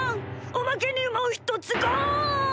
おまけにもひとつがん！